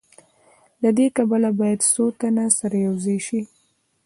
له دې کبله باید څو تنه سره یوځای شي